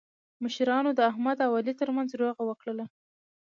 مشرانو د احمد او علي ترمنځ روغه وکړله.